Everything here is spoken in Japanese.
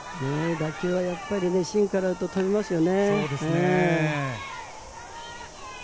打球はやっぱり芯から打つと飛びますよね。